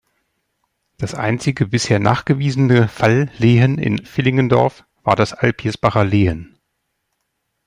Das einzige bisher nachgewiesene Fall-Lehen in Villingendorf war das Alpirsbacher Lehen.